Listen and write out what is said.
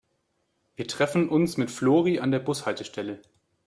Wir treffen uns mit Flori an der Bushaltestelle.